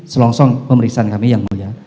selongsong pemeriksaan kami yang mulia